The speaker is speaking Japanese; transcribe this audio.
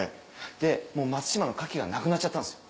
でもう松島の牡蠣がなくなっちゃったんですよ。